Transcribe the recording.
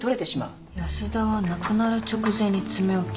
安田は亡くなる直前に爪を切っていた。